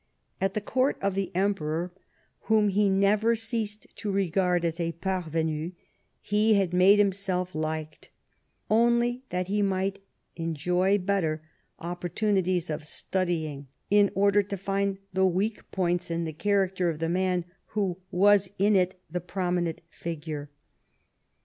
At the Court of the Emperor, whom he never ceased to regard as a ^parvenu,' he had made himself liked — only that he might enjoy better opportunities of studying, in order to find the weak points in, the character of the man who was in it the prominent figure.